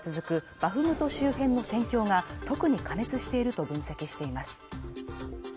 バフムト周辺の戦況が特に加熱していると分析しています。